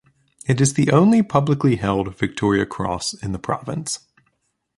It is the only publicly held Victoria Cross in the province.